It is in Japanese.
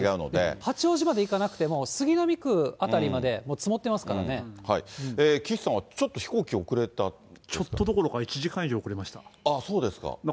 八王子まで行かなくても、杉並区辺りまで、岸さんはちょっと飛行機遅れちょっとどころか１時間以上そうですか。